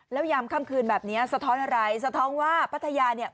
แล้วยามค่ำคืนแบบนี้สะท้อนอะไรสะท้อนว่าพัทยาเนี่ย